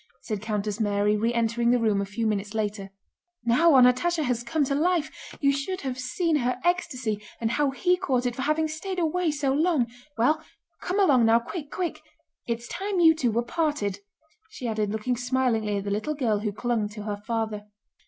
said Countess Mary, re entering the room a few minutes later. "Now our Natásha has come to life. You should have seen her ecstasy, and how he caught it for having stayed away so long. Well, come along now, quick, quick! It's time you two were parted," she added, looking smilingly at the little girl who clung to her father.